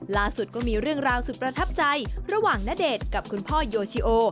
ล่าสุดก็มีเรื่องราวสุดประทับใจระหว่างณเดชน์กับคุณพ่อโยชิโอ